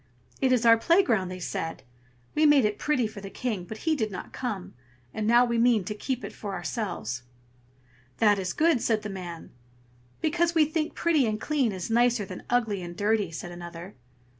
"It is our playground!" they said. "We made it pretty for the King, but he did not come, and now we mean to keep it so for ourselves." "That is good!" said the man. "Because we think pretty and clean is nicer than ugly and dirty!" said another.